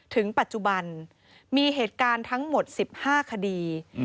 ถึงปัจจุบันมีเหตุการณ์ทั้งหมด๑๕คดี